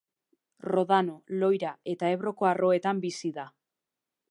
Rodano, Loira eta Ebroko arroetan bizi da.